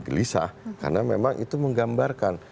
gelisah karena memang itu menggambarkan